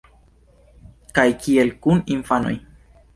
Kaj kiel kun infanoj?